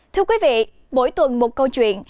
thưa quý vị mỗi tuần một câu chuyện